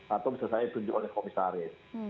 atau bisa saya tunjuk oleh komisaris